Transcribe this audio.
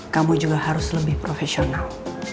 kamu juga harus lebih profesional